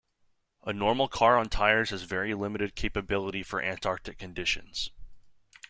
A normal car on tires has very limited capability for Antarctic conditions.